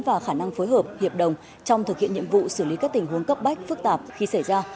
và khả năng phối hợp hiệp đồng trong thực hiện nhiệm vụ xử lý các tình huống cấp bách phức tạp khi xảy ra